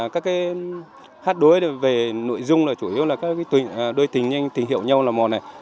các cái hát đối về nội dung là chủ yếu là đôi tình tình hiệu nhau là một này